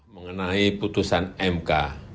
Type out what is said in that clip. mengenai putusan mk